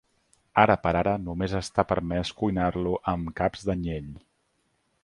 Ara per ara només està permès cuinar-lo amb caps d'anyell.